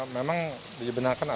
memang diberikan asal